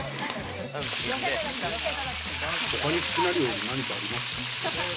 他に好きな料理、何かありますか？